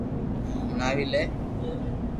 ھون ھڻاوي لي